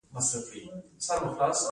د نارنج ګل عطر ډیر خوشبويه وي.